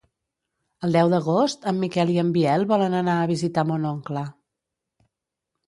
El deu d'agost en Miquel i en Biel volen anar a visitar mon oncle.